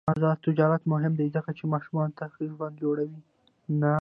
آزاد تجارت مهم دی ځکه چې ماشومانو ته ښه ژوند جوړوي.